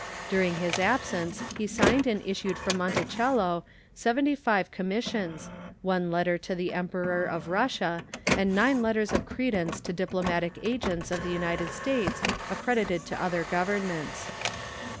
During his absence he signed and issued from Monticello seventy five commissions, one letter to the Emperor of Russia, and nine letters of credence to diplomatic agents of the United States accredited to other governments.